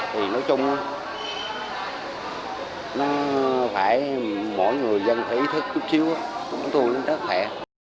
thì nói chung nó phải mỗi người dân phải ý thức chút xíu chúng tôi cũng rất khỏe